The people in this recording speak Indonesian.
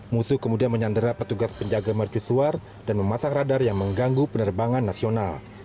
musuh kemudian menyandera petugas penjaga mercusuar dan memasang radar yang mengganggu penerbangan nasional